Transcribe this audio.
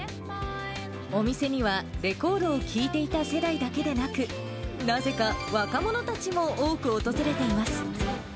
お店には、レコードを聴いていた世代だけでなく、なぜか若者たちも多く訪れています。